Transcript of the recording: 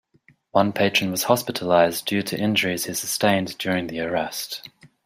One patron was hospitalized due to injuries he sustained during the arrest.